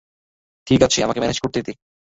ঠিক আছে, আমাকে ম্যানেজ করতে দে।